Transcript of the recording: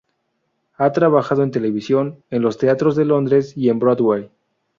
Ha trabajado en televisión, en los teatros de Londres y en Broadway.